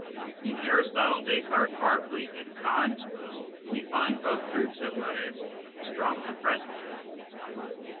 In Aristotle, Descartes, Berkeley, and Kant we find both groups of motives strongly present.